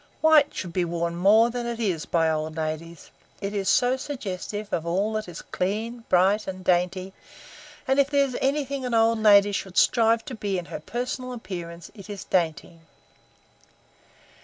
White should be worn more than it is by old ladies. It is so suggestive of all that is clean, bright, and dainty; and if there is anything an old lady should strive to be in her personal appearance it is dainty.